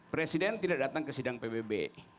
presiden tidak datang ke sidang pbb